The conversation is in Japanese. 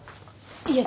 いえ